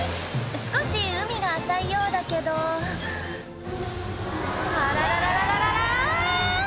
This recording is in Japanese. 少し海が浅いようだけどあららららららら！